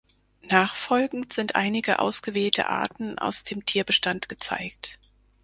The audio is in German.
Nachfolgend sind einige ausgewählte Arten aus dem Tierbestand gezeigt.